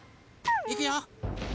いくよ。